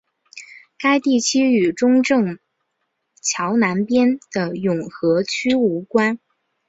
该地区与中正桥南边的永和区无关。